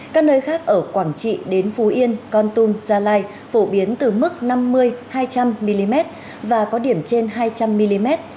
các nơi khác ở quảng trị đến phú yên con tum gia lai phổ biến từ mức năm mươi hai trăm linh mm và có điểm trên hai trăm linh mm